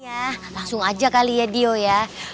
ya langsung aja kali ya dio ya